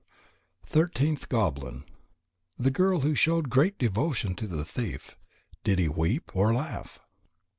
THIRTEENTH GOBLIN _The Girl who showed Great Devotion to the Thief. Did he weep or laugh?